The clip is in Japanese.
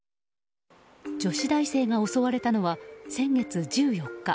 女子大生が襲われたのは先月１４日。